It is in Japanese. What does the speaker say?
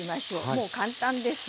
もう簡単です。